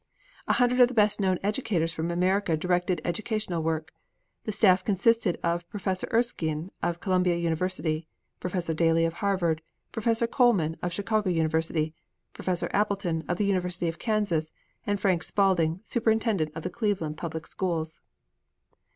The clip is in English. A hundred of the best known educators from America directed educational work. The staff consisted of Professor Erskine of Columbia University, Professor Daly of Harvard, Professor Coleman of Chicago University, Professor Appleton of the University of Kansas and Frank Spaulding, superintendent of the Cleveland public schools.